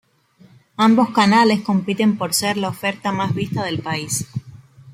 Ambos canales compiten por ser la oferta más vista del país.